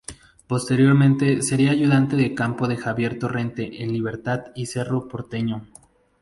Posteriormente sería ayudante de campo de Javier Torrente en Libertad y Cerro Porteño.